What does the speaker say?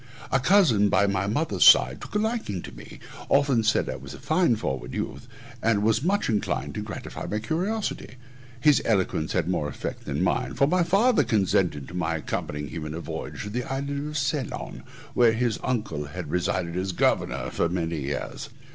A cousin, by my mother's side, took a liking to me, often said I was fine forward youth, and was much inclined to gratify my curiosity. His eloquence had more effect than mine, for my father consented to my accompanying him in a voyage to the island of Ceylon, where his uncle had resided as governor many years.